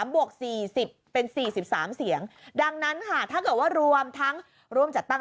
บวก๔๐เป็น๔๓เสียงดังนั้นค่ะถ้าเกิดว่ารวมทั้งร่วมจัดตั้ง